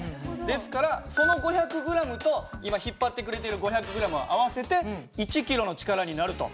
ですからその５００ｇと今引っ張ってくれてる５００ｇを合わせて１キロの力になると。